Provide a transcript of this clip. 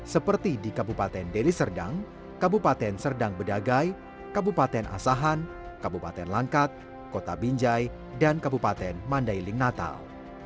seperti di kabupaten deli serdang kabupaten serdang bedagai kabupaten asahan kabupaten langkat kota binjai dan kabupaten mandailing natal